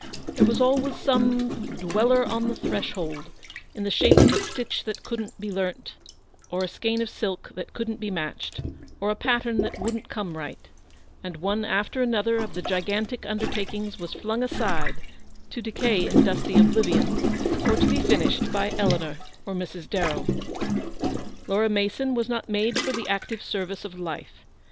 There was always some "Dweller on the Threshold" in the shape of a 272 stitch, that couldn't be learnt, or a skein of silk that couldn't be matched, or a pattern that wouldn't come right ; and one after another of the gigantic undertakings was flung aside to decay in dusty oblivion, or to be finished by Eleanor or Mrs. Darrell. Laura Mason was not made for the active ser vice of life.